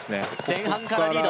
前半からリード